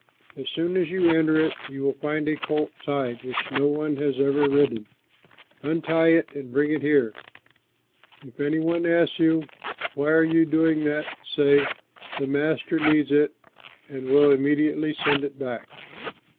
As soon as you enter it, you will find a colt tied, which no one has ever ridden. Untie it and bring it here. If any one asks you, 'Why are you doing that?' say, 'The Master needs it and will immediately send it back.'"